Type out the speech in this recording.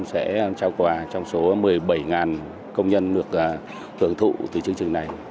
sẽ trao quà trong số một mươi bảy công nhân được thưởng thụ từ chương trình này